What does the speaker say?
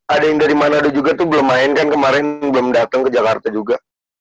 ada yang dari manado juga tuh belum main kan kemarin belum datang ke jakarta juga